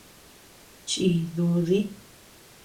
Chí dúdi.